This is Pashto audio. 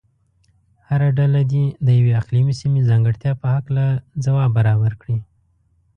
هره ډله دې د یوې اقلیمي سیمې ځانګړتیا په هلکه ځواب برابر کړي.